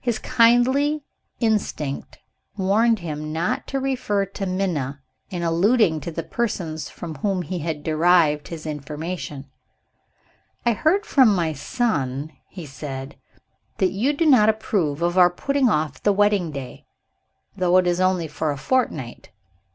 His kindly instinct warned him not to refer to Minna, in alluding to the persons from whom he had derived his information. "I hear from my son," he said, "that you do not approve of our putting off the wedding day, though it is only for a fortnight.